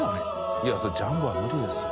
いやそうジャンボは無理ですよ。